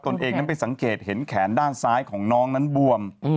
เองนั้นไปสังเกตเห็นแขนด้านซ้ายของน้องนั้นบวม